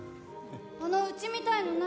あの家みたいの何？